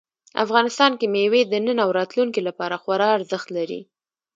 افغانستان کې مېوې د نن او راتلونکي لپاره خورا ارزښت لري.